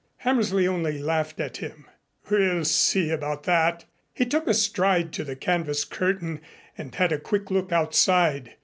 Hammersley only laughed at him. "We'll see about that." He took a stride to the canvas curtain and had a quick look outside.